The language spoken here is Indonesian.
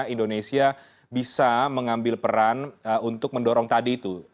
indonesia bisa mengambil peran untuk mendorong tadi itu